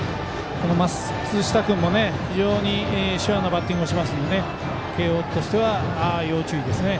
松下君も非常にシュアなバッティングをしますので慶応としては要注意ですね。